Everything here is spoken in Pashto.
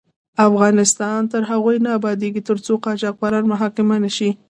افغانستان تر هغو نه ابادیږي، ترڅو قاچاقبران محاکمه نشي.